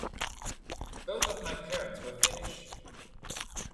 Both of my parents were Finnish.